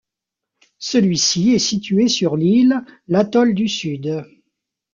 Celui-ci est situé sur l'île l'atoll du Sud.